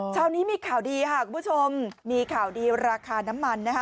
เช้านี้มีข่าวดีค่ะคุณผู้ชมมีข่าวดีราคาน้ำมันนะคะ